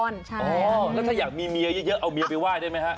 แล้วถ้าอยากมีเมียเยอะเอาเมียไปไห้ได้ไหมฮะ